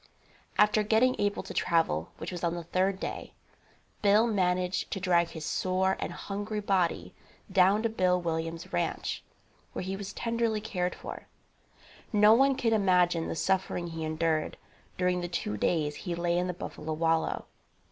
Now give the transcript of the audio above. After getting able to travel, which was on the third day, Bill managed to drag his sore and hungry body down to Bill Williams' ranche, where he was tenderly cared for. No one can imagine the suffering he endured during the two days he lay in the buffalo wallow.